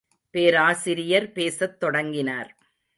பேராசிரியர் பேசத் தொடங்கினார்.